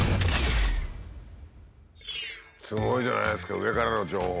すごいじゃないですか上からの情報。